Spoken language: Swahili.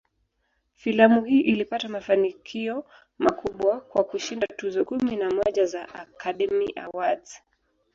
Filamu hii ilipata mafanikio makubwa, kwa kushinda tuzo kumi na moja za "Academy Awards".